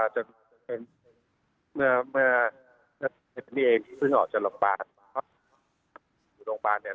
จนเมื่อและนับวันนี้เองที่ผึ้มออกจากโรงพยาบาล